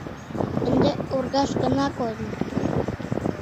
Ынде ургаш гына кодын.